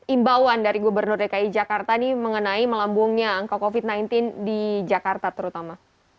imbauan dari gubernur dki jakarta ini mengenai melambungnya angka covid sembilan belas di jakarta terutama